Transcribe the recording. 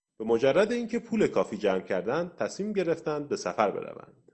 به مجرد اینکه پول کافی جمع کردند تصمیم گرفتند به سفر بروند.